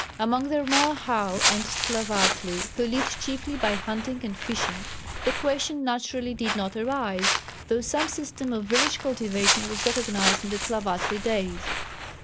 Among the Rmoahal and Tlavatli, who lived chiefly by hunting and fishing, the question naturally did not arise, though some system of village cultivation was recognized in the Tlavatli days.